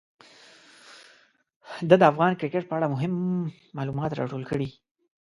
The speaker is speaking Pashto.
ده د افغان کرکټ په اړه مهم معلومات راټول کړي.